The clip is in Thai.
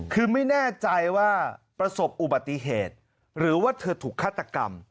คือไม่แน่ใจว่าประสบอุบัติเหตุหรือว่าเธอถูกฆาตกรรม